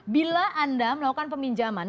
bila anda melakukan peminjaman